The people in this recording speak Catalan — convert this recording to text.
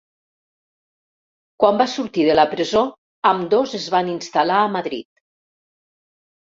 Quan va sortir de la presó ambdós es van instal·lar a Madrid.